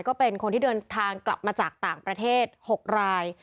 ก็เป็นคนที่เดินทางกลับมาจากต่างประเทศ๖ราย